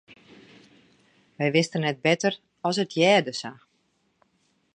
Wy wisten net better as it hearde sa.